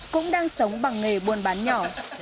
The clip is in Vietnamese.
cũng đang sống bằng nghề buôn bán nhỏ